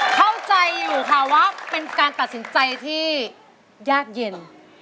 เข้าใจอยู่ค่ะว่าเป็นการตัดสินใจที่ยากเย็น